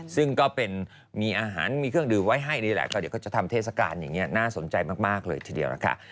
ซึ่งก็เป็นมีอาหารมีเครื่องดื่มไว้ให้ดีแหละก็เดี๋ยวเขาจะทำเทศกาลอย่างนี้น่าสนใจมากเลยทีเดียวล่ะค่ะ